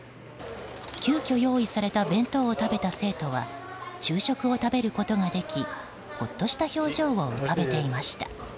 急きょ用意された弁当を食べた生徒は昼食を食べることができほっとした表情を浮かべていました。